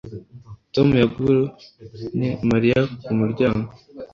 Tom yajugunye Mariya ku muryango